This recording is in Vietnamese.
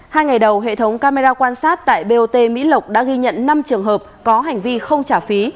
hai ngày đầu hệ thống camera quan sát tại bot mỹ lộc đã ghi nhận năm trường hợp có hành vi không trả phí